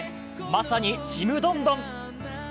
まさに、ちむどんどん。